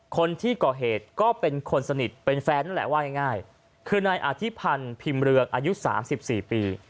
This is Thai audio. คนที่ก่อเหตุก็เป็นคนสนิทเป็นแฟนนั่นแหละว่าง่ายคือนายอธิพันธ์พิมพ์เรืองอายุ๓๔ปี